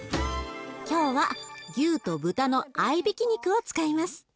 今日は牛と豚の合いびき肉を使います。